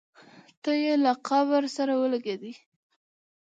تی یې له قبر سره ولګېدی.